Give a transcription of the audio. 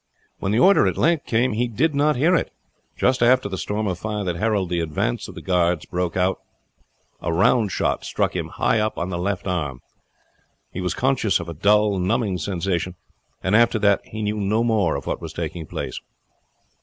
When the order at length came he did not hear it. Just after the storm of fire that heralded the advance of the guards broke out, a round shot struck him high up on the left arm. He was conscious only of a dull, numbing sensation, and after that knew no more of what was taking place.